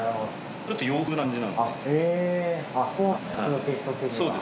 ちょっと洋風な感じなんで。